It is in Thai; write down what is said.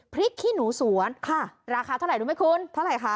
ขี้หนูสวนค่ะราคาเท่าไหร่รู้ไหมคุณเท่าไหร่คะ